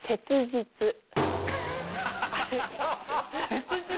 「切実」？